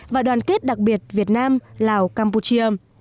và đoàn kết đặc biệt việt nam lào campuchia